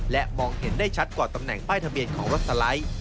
และมองเห็นได้ชัดกว่าตำแหน่งป้ายทะเบียนของรถสไลด์